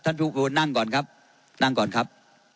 ท่านไม่นิยมหรืออยากเถิดหอยเท่านั้นครับ